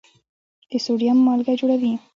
د سوډیم مالګه جوړوي.